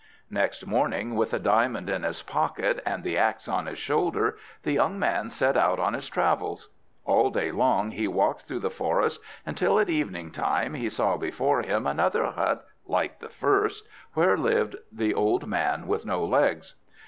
Next morning, with the diamond in his pocket and the axe on his shoulder, the young man set out on his travels. All day long he walked through the forest, until at evening time he saw before him another hut, like the first, where lived the old man with no legs.